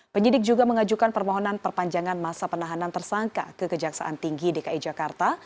penyidik juga mengajukan permohonan perpanjangan masa penahanan tersangka ke kejaksaan tinggi dki jakarta